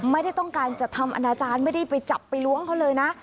ไม่ได้ต้องการจะทำอนาจารย์ไม่ได้ไปจับไปล้วงเขาเลยนะ